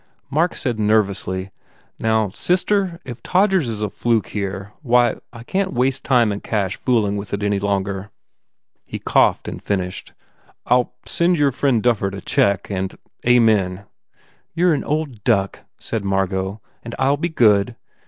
Mark said nervously, "Now, sister, if Todgers is a fluke here why, I can t waste time and cash fooling with it any 238 BUBBLE longer." He coughed and finished, "I ll send your friend Dufford a check and amen." "You re an old duck," said Margot, "and I ll be good.